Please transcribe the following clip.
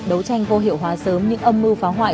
đấu tranh vô hiệu hóa sớm những âm mưu phá hoại